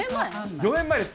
４年前です。